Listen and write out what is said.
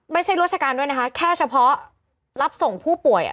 ไม่ใช่ราชการด้วยนะคะแค่เฉพาะรับส่งผู้ป่วย